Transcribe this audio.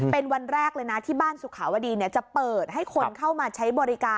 เป็นวันแรกเลยนะที่บ้านสุขาวดีจะเปิดให้คนเข้ามาใช้บริการ